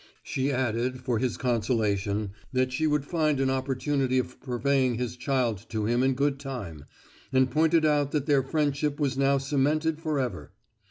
She added, for his consolation, that she would find an opportunity of purveying his child to him in good time, and pointed out that their friendship was now cemented for ever.